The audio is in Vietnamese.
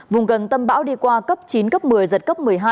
vùng gần tâm bão đi qua cấp chín cấp một mươi giật cấp một mươi hai